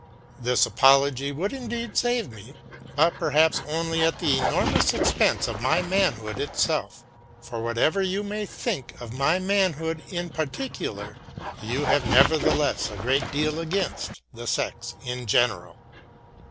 This apology would indeed save me, but perhaps only at the enormous expense of my manhood itself; for whatever you may think of my manhood in particular, you have nevertheless a great deal against the sex in general.